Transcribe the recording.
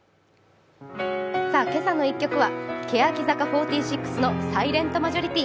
「けさの１曲」は欅坂４６の「サイレントマジョリティー」。